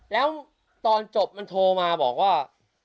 แล้วตอนจบมันโทรมาบอกว่า